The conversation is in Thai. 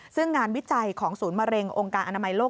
ซึ่งงานวิจัยของศูนย์มะเร็งองค์การอนามัยโลก